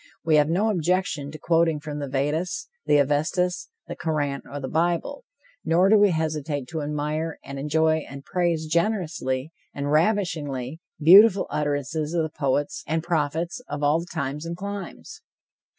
We have no objection to quoting from the Veddas, the Avestas, the Koran or the Bible; nor do we hesitate to admire and enjoy and praise generously the ravishingly beautiful utterances of the poets and prophets of all times and climes.